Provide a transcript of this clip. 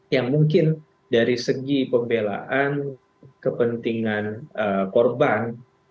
yang mungkin dari segi pembelaan kepentingan korban